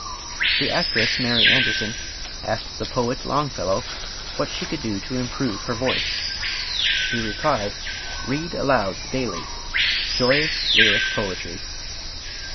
The actress Mary Anderson asked the poet Longfellow what she could do to improve her voice. He replied, "Read aloud daily, joyous, lyric poetry."